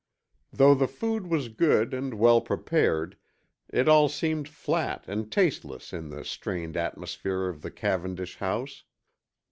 Though the food was good and well prepared, it all seemed flat and tasteless in the strained atmosphere of the Cavendish house.